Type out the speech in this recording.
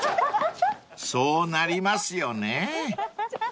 ［そうなりますよね］